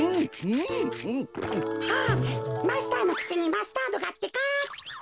あっマスターのくちにマスタードがってか。